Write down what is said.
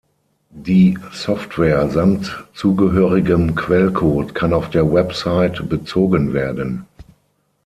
Die Software samt zugehörigem Quellcode kann auf der Website bezogen werden.